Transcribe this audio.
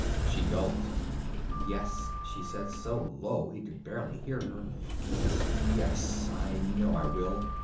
She gulped. "Yes," she said, so low he could barely hear her. "Yes, I know I will."